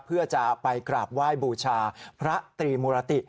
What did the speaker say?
เพื่อจะไปกราบไหว้บูชาพระตรีมุรติ